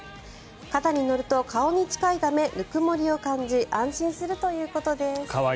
肩に乗ると顔に近いためぬくもりを感じ安心するということです。